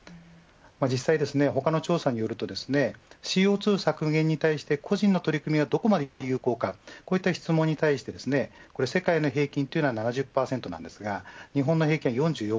実際、他の調査によるとＣＯ２削減に対して個人の取り組みはどこまで有効かという質問に対して世界の平均は７０％ですが日本の平均は４４％です。